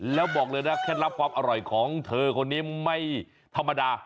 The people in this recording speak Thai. แล้วบอกเลยนะเคล็ดลับความอร่อยของเธอคนนี้ไม่ธรรมดา